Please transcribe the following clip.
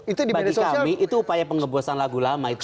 itu bagi kami itu upaya pengebosan lagu lama itu